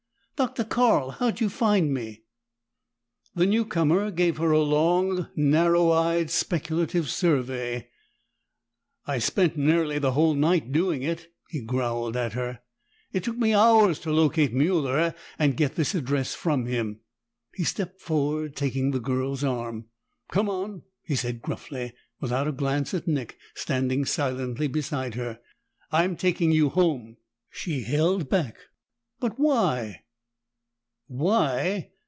"Dr. Carl! How'd you find me?" The newcomer gave her a long, narrow eyed, speculative survey. "I spent nearly the whole night doing it," he growled at last. "It took me hours to locate Mueller and get this address from him." He stepped forward, taking the girl's arm. "Come on!" he said gruffly, without a glance at Nick standing silently beside her. "I'm taking you home!" She held back. "But why?" "Why?